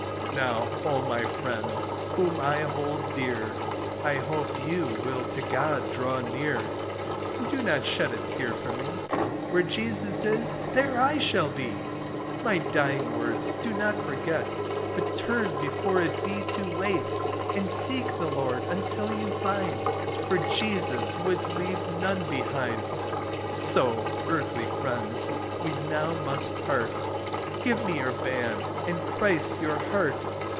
Now O my friends, whom I hold dear, I hope you will to God draw near, And do not shed a tear for me; Where Jesus is, there I shall be. My dying words do not forget, But turn before it be too late, And seek the Lord until you find, For Jesus would leave none behind. So, earthly friends, we now must part: Give me your band, and Christ your heart.